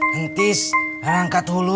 hentis berangkat hulu